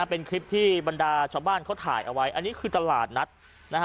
เป็นคลิปที่บรรดาชาวบ้านเขาถ่ายเอาไว้อันนี้คือตลาดนัดนะฮะ